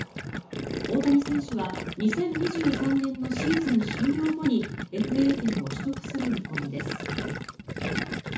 大谷選手は２０２３年のシーズン終了後にＦＡ権を取得する見込みです。